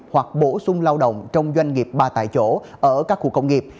hoặc bổ sung lao động trong doanh nghiệp ba tại chỗ ở các khu công nghiệp